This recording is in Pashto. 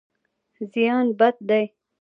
زیان بد دی.